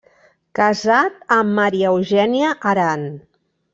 Casat amb Maria Eugènia Aran.